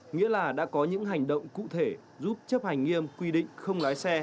nghĩa là đã có những hành động cụ thể giúp chấp hành nghiêm quy định không lái xe